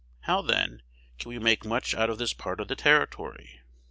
How, then, can we make much out of this part of the territory?